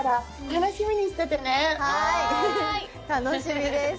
楽しみです。